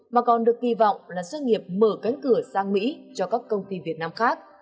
mà còn được kỳ vọng là doanh nghiệp mở cánh cửa sang mỹ cho các công ty việt nam khác